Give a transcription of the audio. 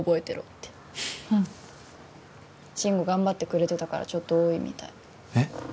てろって慎吾頑張ってくれてたからちょっと多いみたいえっ？